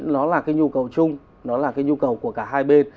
nó là cái nhu cầu chung nó là cái nhu cầu của cả hai bên